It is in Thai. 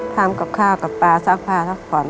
ทำกับข้าวกับปลาสร้างพลาดทักผ่อน